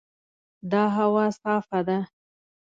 دا هوا صافه ده.